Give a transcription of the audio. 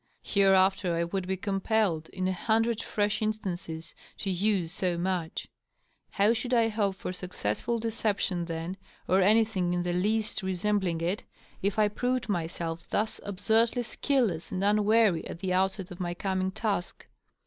Hereafter I would be compelled, in a hundred fresh instances, to use so much ! How should I hope for successful deception then, or anything in the least resembling it, if I proved myself thus absurdly skilless and unwary at the outset of my coming task